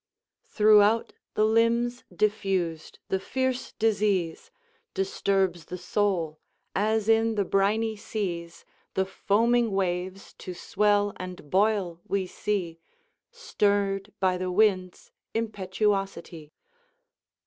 "Throughout the limbs diffused, the fierce disease Disturbs the soul, as in the briny seas, The foaming waves to swell and boil we see, Stirred by the wind's impetuosity."